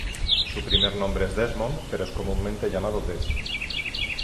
Su primer nombre es Desmond pero es comúnmente llamado Des.